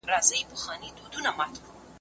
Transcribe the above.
زور کله ناکله د عدالت لپاره وي.